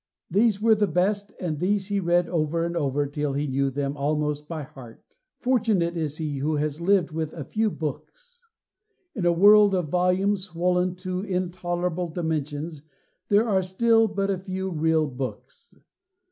These were the best, and these he read over and over till he knew them almost by heart.'" "Almost by heart!" Fortunate is he who has lived with a few books. In a world of volumes swollen to intolerable dimensions there are still but a few real books.